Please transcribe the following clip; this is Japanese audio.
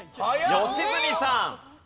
良純さん。